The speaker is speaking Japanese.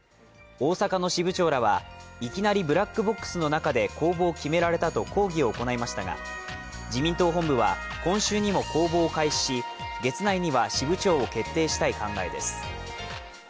大阪の支部長らはいきなりブラックボックスの中で公募を決められたと抗議を行いましたが自民党本部は、今週にも公募を開始し月内には支部長を決定したい考えです。